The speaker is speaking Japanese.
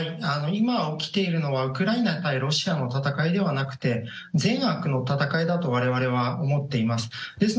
今起きているのはウクライナ対ロシアの戦いではなくて善悪の戦いだと我々は思っています。